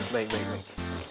baik baik baik